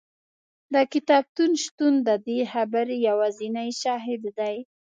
د کتابتون شتون د دې خبرې یوازینی شاهد دی.